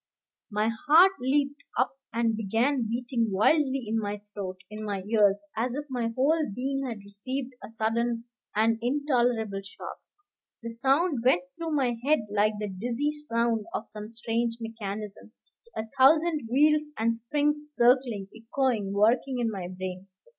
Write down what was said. My heart leaped up and began beating wildly in my throat, in my ears, as if my whole being had received a sudden and intolerable shock. The sound went through my head like the dizzy sound of some strange mechanism, a thousand wheels and springs circling, echoing, working in my brain.